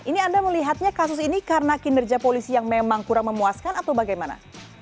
ini anda melihatnya kasus ini karena kinerja polisi yang memang kurang memuaskan atau bagaimana